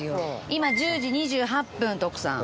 今１０時２８分徳さん。